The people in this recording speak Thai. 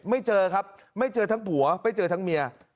ไม่เจอครับไม่เจอทั้งผัวไม่เจอทั้งเมีย